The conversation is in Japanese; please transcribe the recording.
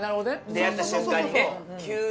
出会った瞬間にね急な。